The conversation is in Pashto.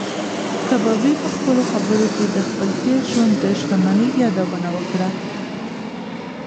کبابي په خپلو خبرو کې د خپل تېر ژوند د شتمنۍ یادونه وکړه.